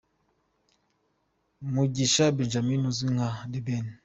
Mugisha Benjamin uzwi nka The Ben